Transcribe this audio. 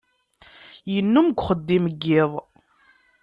Yennum deg uxeddim n yiḍ